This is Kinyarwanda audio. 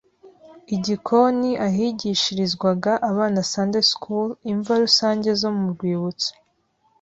igikoni ahigishirizwaga abana Sunday school imva rusange zo mu rwibutso